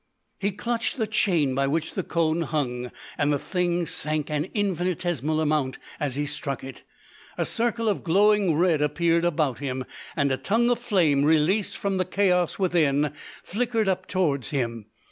He clutched the chain by which the cone hung, and the thing sank an infinitesimal amount as he struck it. A circle of glowing red appeared about him, and a tongue of flame, released from the chaos within, flickered up towards him.